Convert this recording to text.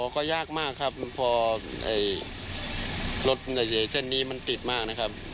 ก็ยากมากครับพอรถเส้นนี้มันติดมากนะครับ